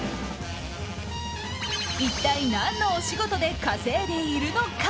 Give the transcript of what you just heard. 一体何のお仕事で稼いでいるのか。